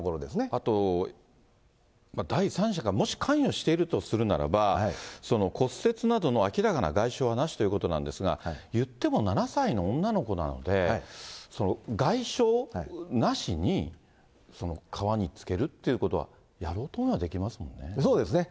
あと、第三者がもし関与しているとするならば、骨折などの明らかな外傷はなしということなんですが、いっても７歳の女の子なんで、外傷なしに川につけるということは、やろうと思えばできますもんそうですね。